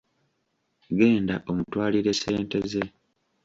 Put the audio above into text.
Genda omutwalire ssente ze.